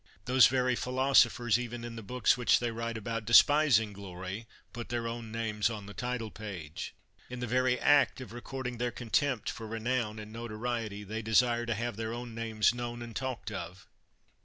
Those very philoso phers even in the books which they write about despising glory, put their own names on the title page. In the very act of recording their con tempt for renown and notoriety, they desire to have their own names known and talked of.